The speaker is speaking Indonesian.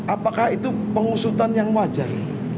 apakah itu pengusutan yang wajar